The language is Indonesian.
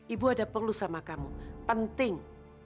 ibu ada perlu sama kamu penting